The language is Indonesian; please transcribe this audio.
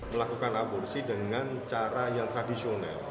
melakukan aborsi dengan cara yang tradisional